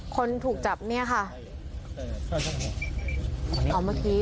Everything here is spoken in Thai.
คนถูกจับเนี่ยค่ะ